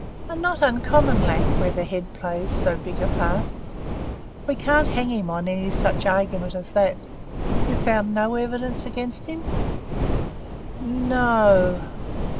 "A not uncommon lack where the head plays so big a part. We can't hang him on any such argument as that. You've found no evidence against him?" "N no."